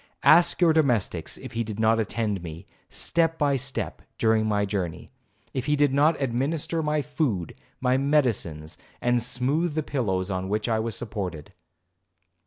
Ask your domestics if he did not attend me, step by step, during my journey? If he did not administer my food, my medicines, and smoothe the pillows on which I was supported?'